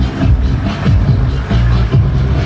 สวัสดีครับวันนี้ชัพเบียนเอ้าเฮ้ย